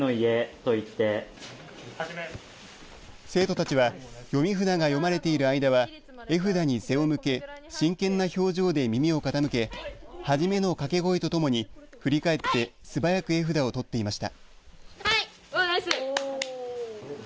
生徒たちは読み札が読まれている間手札に背を向け真剣な表情で耳を傾け初めの掛け声とともに振り返って素早く絵札を取っていました。